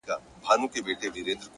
هغه خو دا خبري پټي ساتي ـ